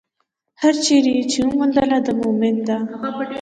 هره چېرې يې چې وموندله، د مؤمن ده.